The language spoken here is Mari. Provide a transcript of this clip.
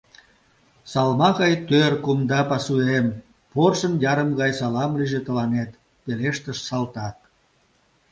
«Салма гай тӧр, кумда пасуэм, порсын ярым гай салам лийже тыланет!» — пелештыш салтак.